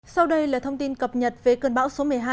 sau đây là thông tin cập nhật về cơn bão số một mươi hai